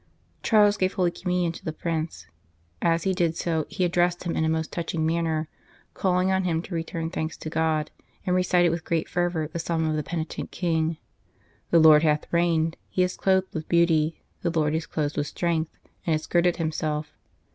Charles gave Holy Communion to the Prince. As he did so, he addressed him in a most touch ing manner, calling on him to return thanks to God, and recited with great fervour the psalm of the penitent King :" The Lord hath reigned : He is clothed with beauty : the Lord is clothed with strength, and hath girded Himself.